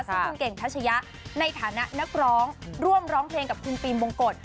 ซึ่งคุณเก่งทัชยะในฐานะนักร้องร่วมร้องเพลงกับคุณฟิล์มบงกฎ